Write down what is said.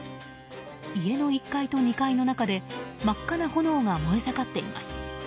家の１階と２階の中で真っ赤な炎が燃え盛っています。